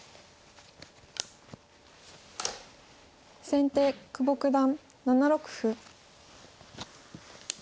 先手久保九段７六歩。